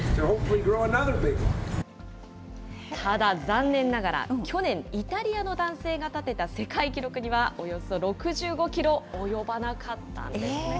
ただ、残念ながら、去年、イタリアの男性が立てた世界記録にはおよそ６５キロ及ばなかったんですね。